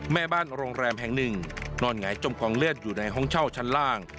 แม่บ้านโรงแรมแห่งหนึ่งนอนหงายจมกองเลือดอยู่ในห้องเช่าชั้นล่าง